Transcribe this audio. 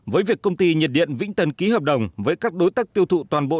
với việc công ty nhiệt điện vĩnh tân ký hợp đồng với các đối tác tiêu thụ toàn bộ